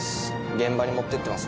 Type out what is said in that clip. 現場に持ってってます